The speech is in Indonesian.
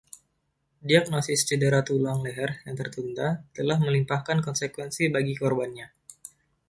Diagnosis cedera tulang leher yang tertunda telah melimpahkan konsekuensi bagi korbannya.